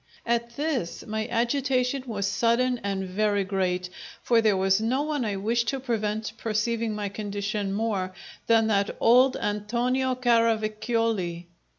At this, my agitation was sudden and very great, for there was no one I wished to prevent perceiving my condition more than that old Antonio Caravacioli!